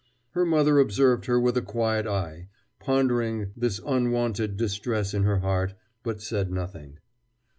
Her mother observed her with a quiet eye, pondering this unwonted distress in her heart, but said nothing.